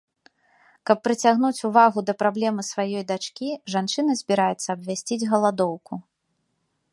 Каб прыцягнуць увагу да праблемы сваёй дачкі, жанчына збіраецца абвясціць галадоўку.